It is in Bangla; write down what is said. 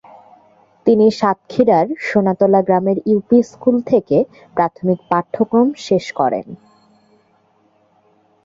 তিনি সাতক্ষীরার সোনাতলা গ্রামের ইউপি স্কুল থেকে প্রাথমিক পাঠক্রম শেষ করেন।